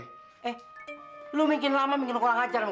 eh lu mikir lama mikir ngulang ajarin gue